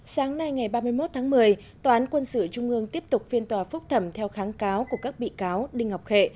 sáng nay ngày ba mươi một tháng một mươi tòa án quân sự trung ương tiếp tục phiên tòa phúc thẩm theo kháng cáo của các bị cáo đinh ngọc hệ